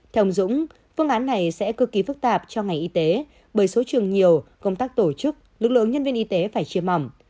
theo ông dũng phương án này sẽ cực kỳ phức tạp cho ngành y tế bởi số trường nhiều công tác tổ chức lực lượng nhân viên y tế phải chia mỏ